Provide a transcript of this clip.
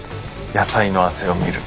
野菜の汗を見る。